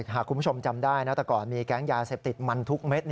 หากคุณผู้ชมจำได้นะแต่ก่อนมีแก๊งยาเสพติดมันทุกเม็ด